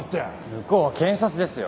向こうは検察ですよ。